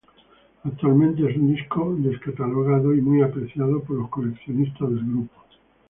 Actualmente es un disco descatalogado y muy preciado por los coleccionistas del grupo.